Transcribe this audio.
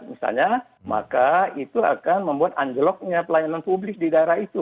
misalnya maka itu akan membuat anjloknya pelayanan publik di daerah itu